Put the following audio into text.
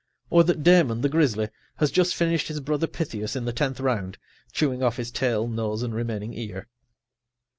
Or that Damon, the grizzly, has just finished his brother Pythias in the tenth round, chewing off his tail, nose and remaining ear.